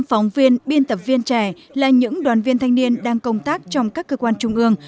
một mươi tám phóng viên biên tập viên trẻ là những đoàn viên thanh niên đang công tác trong các cơ quan trung ương